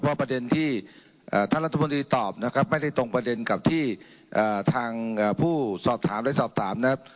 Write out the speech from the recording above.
ประเด็นที่ท่านรัฐมนตรีตอบนะครับไม่ได้ตรงประเด็นกับที่ทางผู้สอบถามหรือสอบถามนะครับ